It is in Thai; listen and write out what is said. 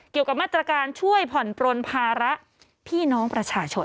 เกี่ยวกับมาตรการช่วยผ่อนปลนภาระพี่น้องประชาชน